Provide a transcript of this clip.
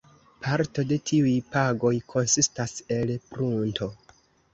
Parto de tiuj pagoj konsistas el prunto.